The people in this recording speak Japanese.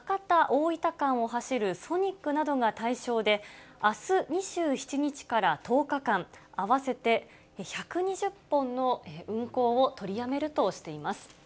・大分間を走るソニックなどが対象で、あす２７日から１０日間、合わせて１２０本の運行を取りやめるとしています。